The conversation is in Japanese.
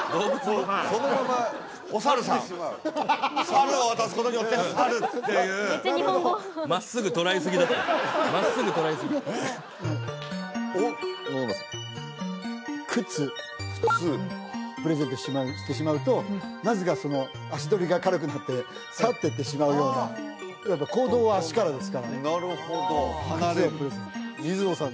はいおサルさんサルを渡すことによって去るっていうめっちゃ日本語真っすぐ捉えすぎおっ野々村さん靴靴プレゼントしてしまうとなぜか足どりが軽くなって去っていってしまうようなやっぱ行動は足からですからなるほど離れる水野さん